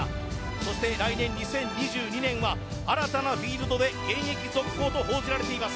そして来年２０２２年は新たなフィールドで現役続行と報じられています。